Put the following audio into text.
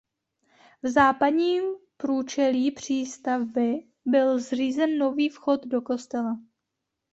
V západním průčelí přístavby byl zřízen nový vchod do kostela.